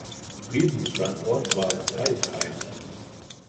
Friedensstandort war Zeithain.